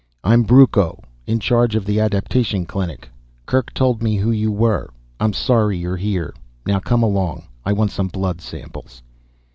"I'm Brucco, in charge of the adaptation clinic. Kerk told me who you were. I'm sorry you're here. Now come along, I want some blood samples."